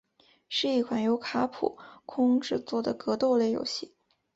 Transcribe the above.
是一款由卡普空制作的格斗类游戏。